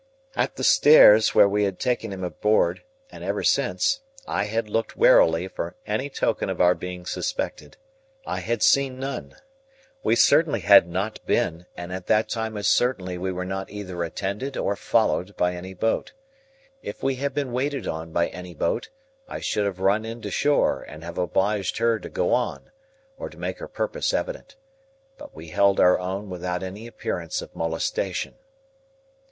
At the stairs where we had taken him abroad, and ever since, I had looked warily for any token of our being suspected. I had seen none. We certainly had not been, and at that time as certainly we were not either attended or followed by any boat. If we had been waited on by any boat, I should have run in to shore, and have obliged her to go on, or to make her purpose evident. But we held our own without any appearance of molestation.